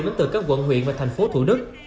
đến từ các quận huyện và thành phố thủ đức